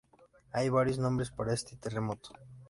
Hay varios nombres para este terremoto.